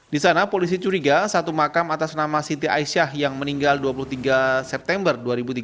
di sana polisi curiga satu makam atas nama siti aisyah yang meninggal dua puluh tiga september dua ribu tiga belas